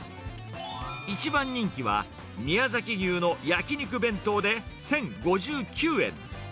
一番人気は、宮崎牛の焼き肉弁当で１０５９円。